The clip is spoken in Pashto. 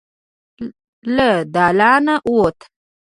له دالانه ووت.